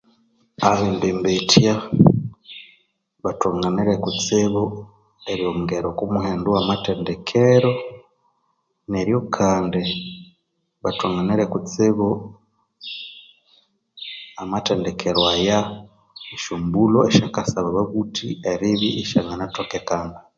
Abembembetya bathonganire kutsibu eryongera okwa muhendo owa amathendekero, neryo kandi bathonganire kutsibu amathendekero aya esyambulho esyabakasaba ababuthi eribya isyanganathokekana.